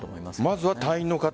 まずは隊員の方